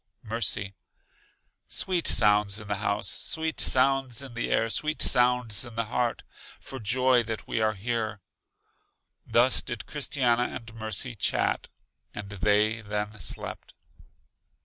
Mercy: Sweet sounds in the house, sweet sounds in the air, sweet sounds in the heart, for joy that we are here. Thus did Christiana and Mercy chat, and they, then slept.